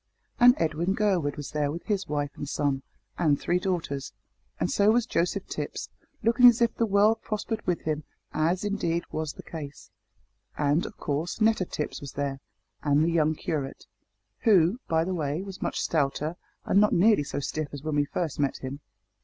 And Edwin Gurwood was there with his wife and son and three daughters; and so was Joseph Tipps, looking as if the world prospered with him, as, indeed, was the case. And, of course, Netta Tipps was there, and the young curate, who, by the way, was much stouter and not nearly so stiff as when we first met him.